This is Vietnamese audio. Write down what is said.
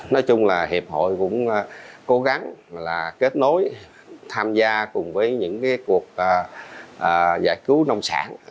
nói chung là hiệp hội cũng cố gắng là kết nối tham gia cùng với những cuộc giải cứu nông sản